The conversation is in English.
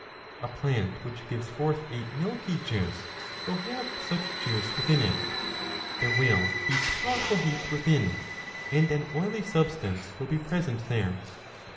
A plant which gives forth a milky juice will have such juice within it ; there will be 5 powerful heat within and an oily substance will be present there.